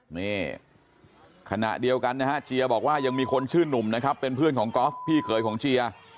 นี่ขณะเดียวกันนะฮะเจียบอกว่ายังมีคนชื่อหนุ่มนะครับเป็นเพื่อนของกอล์ฟพี่เขยของเจีย